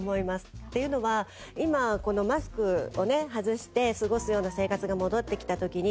っていうのは今このマスクを外して過ごすような生活が戻ってきた時に。